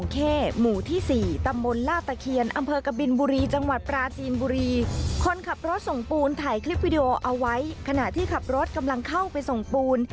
คลิปวีดีโอเอาไว้ขณะที่ขับรถกำลังเข้าไปส่งปูล